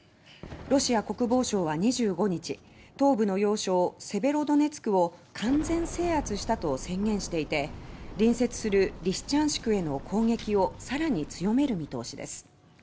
ロシア国防省は２５日東部の要衝セベロドネツクを「完全制圧した」と宣言していて隣接するリシチャンシクへの攻撃を更に強める見通しです。